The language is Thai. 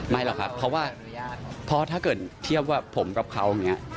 หรอกครับเพราะว่าเพราะถ้าเกิดเทียบว่าผมกับเขาอย่างนี้